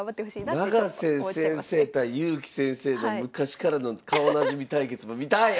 永瀬先生対勇気先生の昔からの顔なじみ対決も見たい！